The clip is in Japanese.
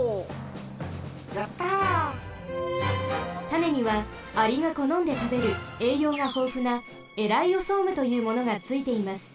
たねにはアリがこのんでたべるえいようがほうふなエライオソームというものがついています。